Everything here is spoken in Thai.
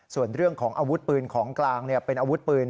ส่วนเรื่องของอาวุธปืนของกลางเป็นอาวุธปืน